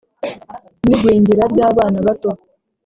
n’igwingira ry’abana bato,